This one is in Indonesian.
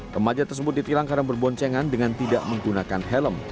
remaja tersebut ditilang karena berboncengan dengan tidak menggunakan helm